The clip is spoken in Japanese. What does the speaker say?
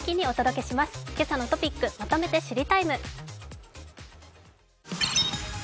「けさのトピックまとめて知りＴＩＭＥ，」。